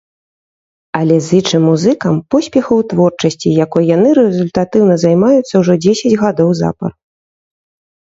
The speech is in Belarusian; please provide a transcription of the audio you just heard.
Але зычым музыкам поспехаў у творчасці, якой яны рэзультатыўна займаюцца ўжо дзесяць гадоў запар.